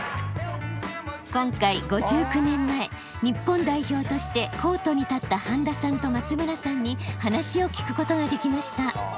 今回５９年前日本代表としてコートに立った半田さんと松村さんに話を聞くことができました。